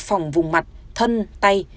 phòng vùng mặt thân tay